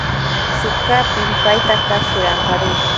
Tsika pipaitaka shirampari.